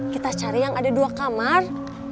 kita cari yang ada dua kamar